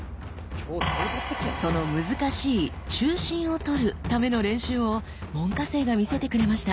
その難しい「中心をとる」ための練習を門下生が見せてくれました。